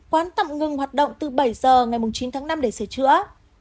quán tạm ngừng hoạt động từ bảy giờ ngày chín tháng năm để sửa chữa